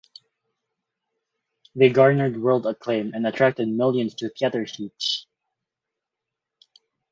They "garnered world acclaim and attracted millions to theater seats".